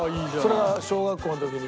それは小学校の時に。